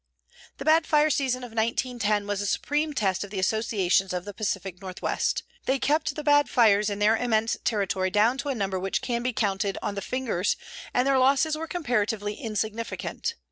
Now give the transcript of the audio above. The bad fire season of 1910 was a supreme test of the associations of the Pacific Northwest. They kept the bad fires in their immense territory down to a number which can be counted on the fingers and their losses were comparatively insignificant.